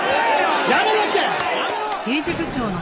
やめろって！